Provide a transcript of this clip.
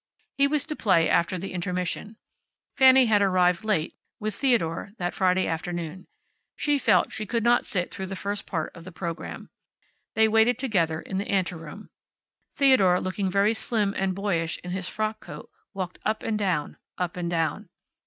He was to play after the intermission. Fanny had arrived late, with Theodore, that Friday afternoon. She felt she could not sit through the first part of the program. They waited together in the anteroom. Theodore, looking very slim and boyish in his frock coat, walked up and down, up and down.